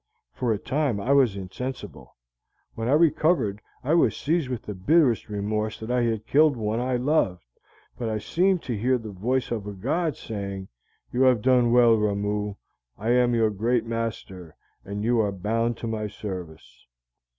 For a time I was insensible. When I recovered I was seized with the bitterest remorse that I had killed one I loved, but I seemed to hear the voice of the god saying, 'You have done well, Ramoo. I am your great master, and you are bound to my service.'